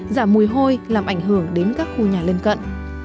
giảm mùi hôi làm ảnh hưởng đến các khu nhà lân cận